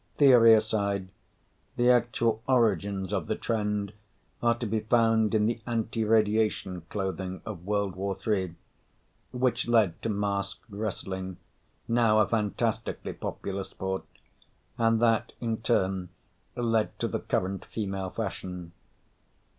Theory aside, the actual origins of the trend are to be found in the anti radiation clothing of World War III, which led to masked wrestling, now a fantastically popular sport, and that in turn led to the current female fashion.